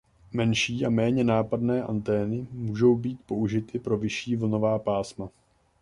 Menší a méně nápadné antény můžou být použity pro vyšší vlnová pásma.